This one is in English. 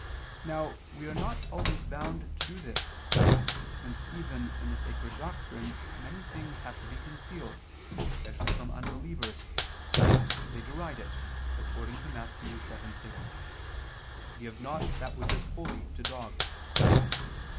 Now we are not always bound to do this, since even in the Sacred Doctrine many things have to be concealed, especially from unbelievers, lest they deride it, according to Matt. 7:6: "Give not that which is holy, to dogs."